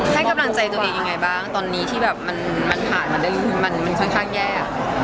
ให้กำลังใจตัวเองยังไงบ้างตอนนี้ที่แบบมันผ่านมาได้มันค่อนข้างแย่